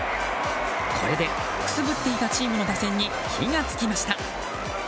これでくすぶっていたチームの打線に火が付きました。